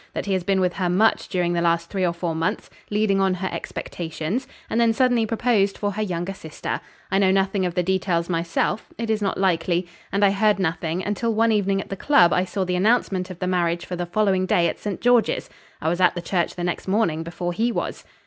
That he has been with her much during the last three or four months, leading on her expectations; and then suddenly proposed for her younger sister. I know nothing of the details myself; it is not likely; and I heard nothing, until one evening at the club I saw the announcement of the marriage for the following day at St. George's. I was at the church the next morning before he was."